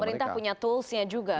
pemerintah punya tools nya juga kan